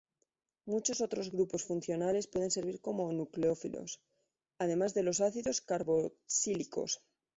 Muchos otros grupos funcionales pueden servir como nucleófilos, además de los ácidos carboxílicos.